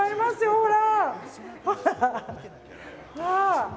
ほら！